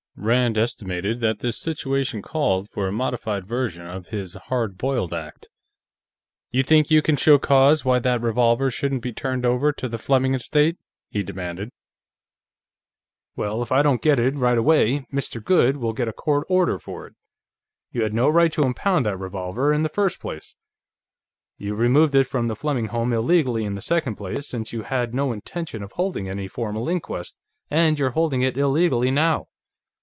Rand estimated that this situation called for a modified version of his hard boiled act. "You think you can show cause why that revolver shouldn't be turned over to the Fleming estate?" he demanded. "Well, if I don't get it, right away, Mr. Goode will get a court order for it. You had no right to impound that revolver, in the first place; you removed it from the Fleming home illegally in the second place, since you had no intention of holding any formal inquest, and you're holding it illegally now.